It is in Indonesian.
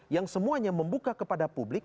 yang semuanya membuka kepada publik